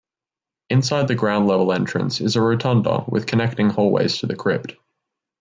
Inside the ground level entrance is a rotunda with connecting hallways to the crypt.